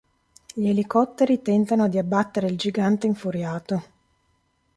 Gli elicotteri tentano di "abbattere" il gigante infuriato.